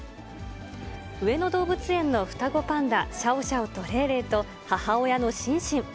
上野動物園の双子パンダ、シャオシャオとレイレイと母親のシンシン。